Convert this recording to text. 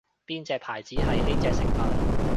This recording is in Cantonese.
邊隻牌子係呢隻成份